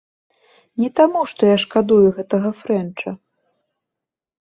Не таму, што я шкадую гэтага фрэнча.